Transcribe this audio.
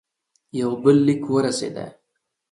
یو بل لیک ورسېدی.